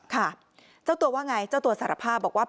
ค่ะเจ้าตัวว่าไงเจ้าตัวสารภาพบอกว่า